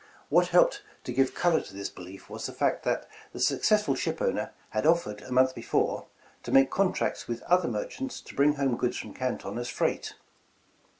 What helped to give color to this belief, was the fact that the successful ship owner had offered a month before, to make contracts with other merchants to bring home goods from Canton as freight.